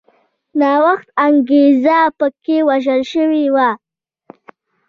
نوښت انګېزه په کې وژل شوې وه